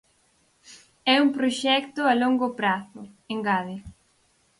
É un proxecto a longo prazo, engade.